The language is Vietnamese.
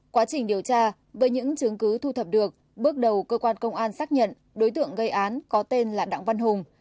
quá trình điều tra với những chứng cứ thu thập được bước đầu cơ quan công an xác nhận đối tượng gây án có tên là đặng văn hùng